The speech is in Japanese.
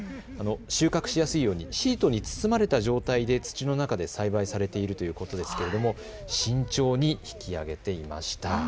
収穫しやすいようにシートに包まれた状態で土の中で栽培されているということですが慎重に引きあげていました。